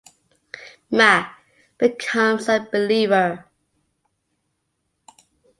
Mac, becomes a Believer.